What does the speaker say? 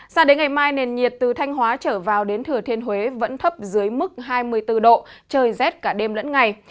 sao đến ngày mai nền nhiệt từ thanh hóa trở vào đến thừa thiên huế vẫn thấp dưới mức hai mươi bốn độ trời rét cả đêm lẫn ngày